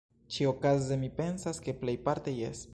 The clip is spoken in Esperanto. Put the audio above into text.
Ĉi-okaze mi pensas, ke plejparte jes.